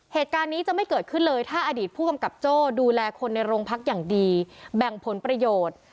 เหตุการณ์นี้จะไม่เกิดขึ้นเลยถ้าอดีตผู้กำกับโจ้ดูแลคนในโรงพักอย่างดีแบ่งผลประโยชน์